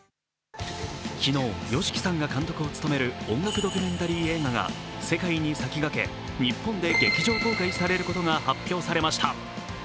昨日、ＹＯＳＨＩＫＩさんが監督を務める音楽ドキュメンタリー映画が世界に先駆け日本で劇場公開されることが発表されました。